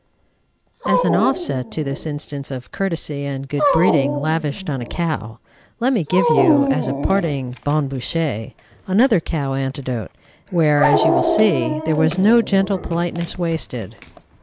As an offset to this instance of courtesy and good breeding lavished on a cow, let me give you, as a parting bon bouche, another cow anecdote, where, as you will see, there was no gentle politeness wasted.